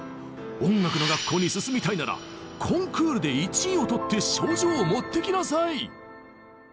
音楽の学校に進みたいならコンクールで１位を取って賞状を持ってきなさい！